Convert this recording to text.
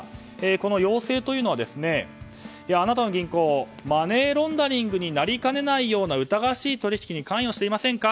この要請というのはあなたの銀行マネーロンダリングになりかねないような疑わしい取引に関与されていませんか？